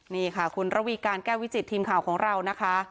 นี่ค่ะคุณระวีการแก้ววิจิตทีมข่าวของเรานะคะ